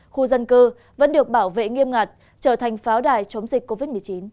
khu dân cư vẫn được bảo vệ nghiêm ngặt trở thành pháo đài chống dịch covid một mươi chín